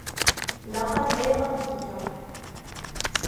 لقد أيقظتُك.